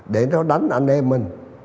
để nó đánh anh em mình